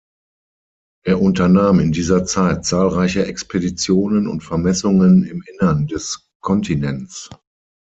Er unternahm in dieser Zeit zahlreiche Expeditionen und Vermessungen im Innern des Kontinents.